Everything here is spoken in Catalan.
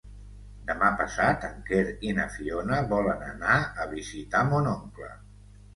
Demà passat en Quer i na Fiona volen anar a visitar mon oncle.